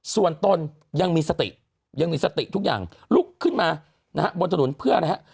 ส่วนตนยังมีสติยังมีสติทุกอย่างลุกขึ้นมานะฮะบนถนนเพื่ออะไรฮะ